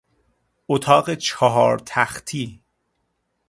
اتاق چهار تختی